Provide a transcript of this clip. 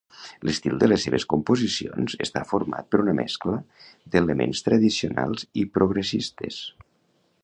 L'estil de les seves composicions està format per una mescla d'elements tradicionals i progressistes.